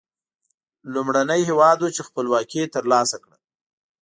لومړنی هېواد و چې خپلواکي تر لاسه کړه.